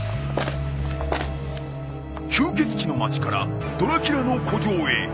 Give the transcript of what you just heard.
吸血鬼の街からドラキュラの古城へ。